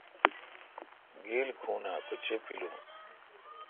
گیل کھوناں کہ چے° پِلون؟